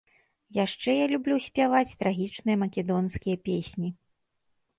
Яшчэ я люблю спяваць трагічныя македонскія песні.